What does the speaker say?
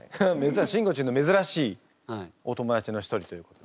しんごちんの珍しいお友達の一人ということで。